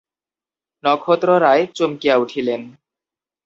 নক্ষত্ররায় চমকিয়া উঠিলেন।